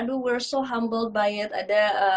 ada yang sangat aduh kita sangat berdikari dengan itu